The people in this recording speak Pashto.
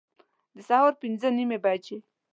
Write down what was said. د سهار پنځه نیمي بجي